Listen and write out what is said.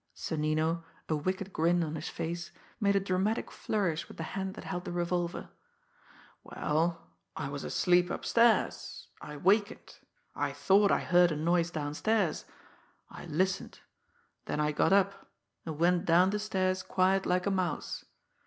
Sonnino, a wicked grin on his face, made a dramatic flourish with the hand that held the revolver. "Well, I was asleep upstairs. I wakened. I thought I heard a noise downstairs. I listened. Then I got up, and went down the stairs quiet like a mouse.